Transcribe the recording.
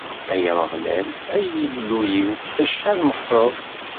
Ay Ameɣlal, ay Illu-iw, acḥal meqqreḍ!